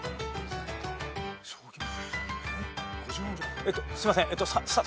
えっとすみません